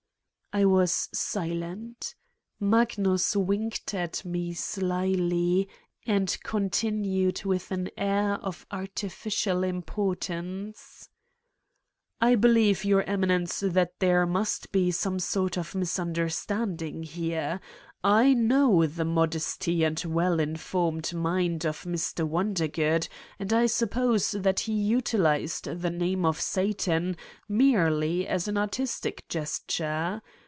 I was silent. Magnus winked at me slyly and continued with an air of artificial importance : "I believe, Your Eminence, that there must be some sort of misunderstanding here. I know the modesty and well informed mind of Mr. Wonder good and I suppose that he utilized the name of Satan merely as an artistic gesture.